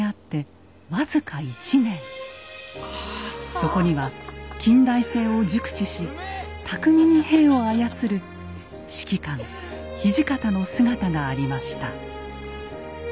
そこには近代戦を熟知し巧みに兵を操る指揮官・土方の姿がありました。